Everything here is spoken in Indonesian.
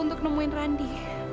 untuk nemuin randi